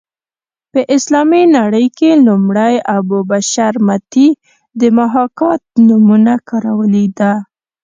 په اسلامي نړۍ کې لومړی ابو بشر متي د محاکات نومونه کارولې ده